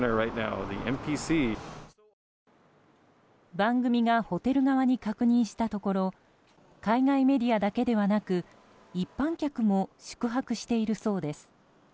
番組がホテル側に確認したところ海外メディアだけではなく一般客も宿泊しているそうです。